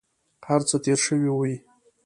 هر څه تېر شوي وي.